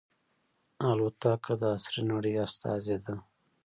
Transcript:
الوتکه د عصري نړۍ استازې ده.